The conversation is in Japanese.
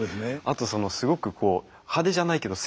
あとすごくこう派手じゃないけど